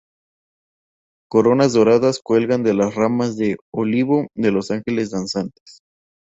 Coronas doradas cuelgan de las ramas de olivo de los ángeles danzantes.